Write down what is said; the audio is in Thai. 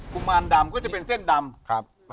กุมารดำก็จะเป็นเส้นดำ